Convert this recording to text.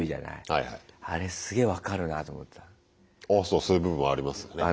そういう部分もあります。